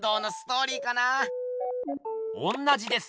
おんなじです。